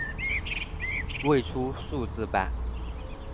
未出数字版。